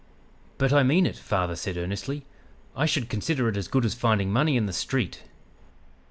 "'But I mean it,' father said earnestly. 'I should consider it as good as finding money in the street.'